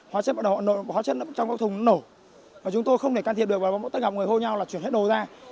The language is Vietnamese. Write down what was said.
hóa chất trong các thùng nổ chúng tôi không thể can thiệp được tất cả mọi người hô nhau là chuyển hết đồ ra